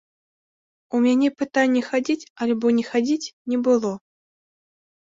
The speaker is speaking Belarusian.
У мяне пытання хадзіць альбо не хадзіць, не было.